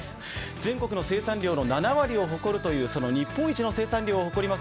全国の生産量の７割を誇るというその日本一の生産量を誇ります